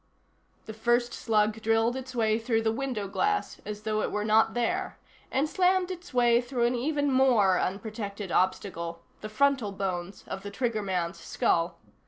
The first slug drilled its way through the window glass as though it were not there, and slammed its way through an even more unprotected obstacle, the frontal bones of the triggerman's skull.